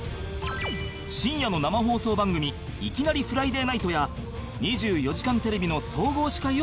深夜の生放送番組『いきなり！フライデーナイト』や『２４時間テレビ』の総合司会を務めた